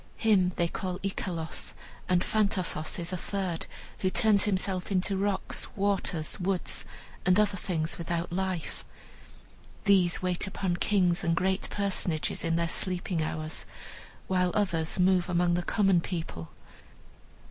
Him they call Icelos; and Phantasos is a third, who turns himself into rocks, waters, woods, and other things without life. These wait upon kings and great personages in their sleeping hours, while others move among the common people.